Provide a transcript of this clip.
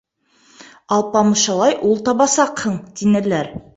Алпамышалай ул табасаҡһың, тинеләр.